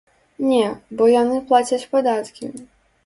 Не, бо яны плацяць падаткі!